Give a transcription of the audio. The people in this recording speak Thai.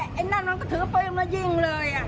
กระเนินมันก็ถือฟื้นมายิงเลยอะ